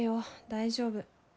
大丈夫。